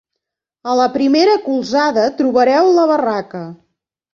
A la primera colzada trobareu la barraca.